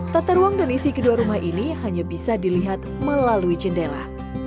tata ruang dan isi kedua rumah ini hanya bisa dilihat melalui jendela